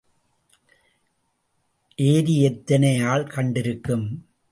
ஏரி எத்தனை ஆள் கண்டிருக்கும்?